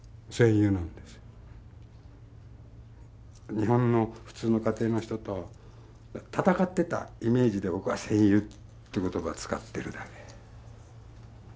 日本の普通の家庭の人と闘ってたイメージで僕は戦友って言葉使ってるだけ。